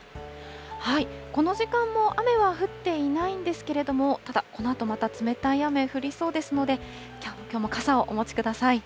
この時間も雨は降っていないんですけれども、ただこのあとまた冷たい雨、降りそうですので、きょうも傘をお持ちください。